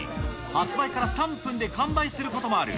発売から３分で完売することもある、